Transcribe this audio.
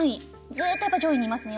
ずっとやっぱり上位にいますね